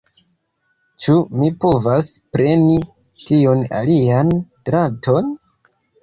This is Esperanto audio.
Ĉu mi povas preni tiun alian draton?